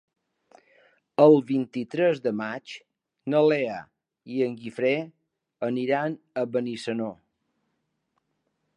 El vint-i-tres de maig na Lea i en Guifré aniran a Benissanó.